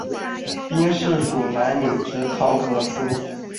兵事属南女直汤河司。